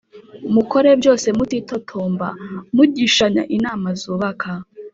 Mukore byose mutitotomba mugishanya inama zubaka